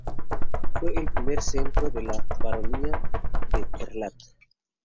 Fue el primer centro de la baronía de Queralt.